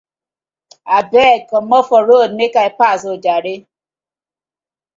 Abeg komot for road mek I pass oh jare.